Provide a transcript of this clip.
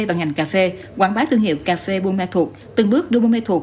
và ngành cà phê quảng bá thương hiệu cà phê bumathu từng bước đưa bumathu